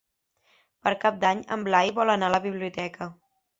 Per Cap d'Any en Blai vol anar a la biblioteca.